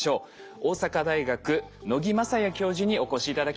大阪大学能木雅也教授にお越し頂きました。